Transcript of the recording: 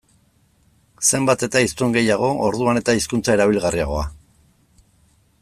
Zenbat eta hiztun gehiago, orduan eta hizkuntza erabilgarriagoa.